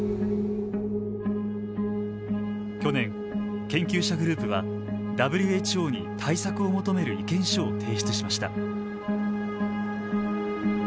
去年研究者グループはＷＨＯに対策を求める意見書を提出しました。